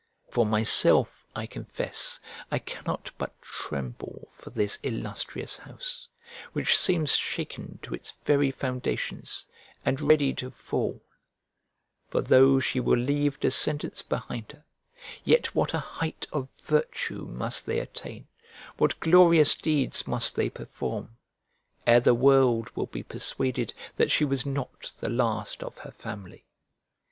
For myself, I confess, I cannot but tremble for this illustrious house, which seems shaken to its very foundations, and ready to fall; for though she will leave descendants behind her, yet what a height of virtue must they attain, what glorious deeds must they perform, ere the world will be persuaded that she was not the last of her family!